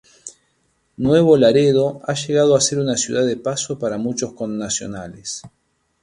Nuevo Laredo ha llegado a ser una ciudad de paso para muchos connacionales.